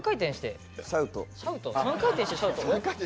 シャウト３回転してシャウト？